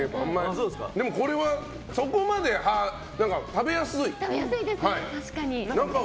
でも、これはそこまで食べやすい。